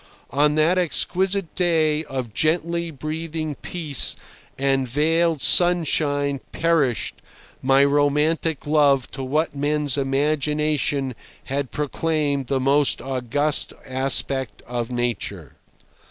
On that exquisite day of gently breathing peace and veiled sunshine perished my romantic love to what men's imagination had proclaimed the most august aspect of Nature.